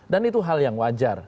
dan itu hal yang wajar